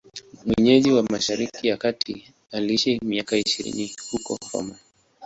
Mwenyeji wa Mashariki ya Kati, aliishi miaka ishirini huko Roma.